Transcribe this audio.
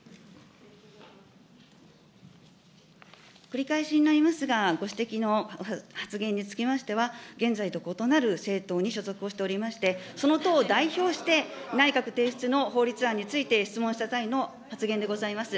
繰り返しになりますが、ご指摘の発言につきましては、現在と異なる政党に所属をしておりまして、その党を代表して、内閣提出の法律案について質問した際の発言でございます。